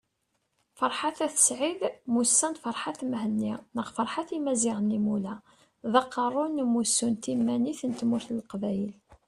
Ferḥat At Said mmusan Ferhat Mehenni neɣ Ferhat Imazighen Imula, d Aqerru n Umussu n Timanit n Tmurt n Leqbayel